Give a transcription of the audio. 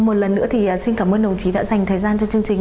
một lần nữa thì xin cảm ơn đồng chí đã dành thời gian cho chương trình